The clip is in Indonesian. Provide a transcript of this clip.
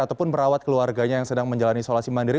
ataupun merawat keluarganya yang sedang menjalani isolasi mandiri